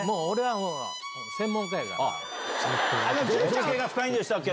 造詣が深いんでしたっけ？